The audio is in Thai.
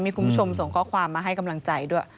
มีคุณผู้ชมส่งข้อความมาให้กำลังใจด้วย